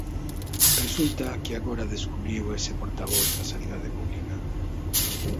Resulta que agora descubriu este portavoz a sanidade pública.